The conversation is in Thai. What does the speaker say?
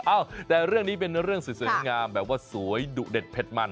เอ้าแต่เรื่องนี้เป็นเรื่องสวยงามแบบว่าสวยดุเด็ดเผ็ดมัน